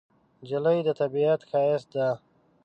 نجلۍ د طبیعت ښایست ده.